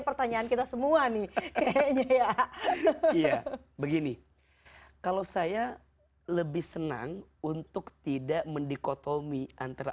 pertanyaan kita semua nih kayaknya ya begini kalau saya lebih senang untuk tidak mendikotomi antara